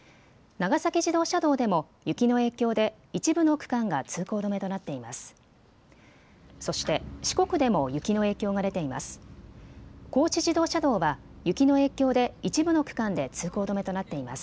長崎自動車道でも雪の影響で一部の区間が通行止めとなっています。